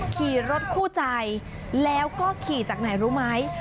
ขี่รถคู่ใจแล้วก็ขี่จากไหนรู้ไหม